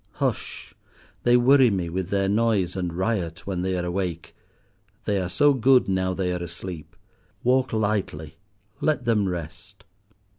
Hush! they worry me with their noise and riot when they are awake. They are so good now they are asleep. Walk lightly, let them rest."